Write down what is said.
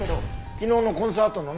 昨日のコンサートのね。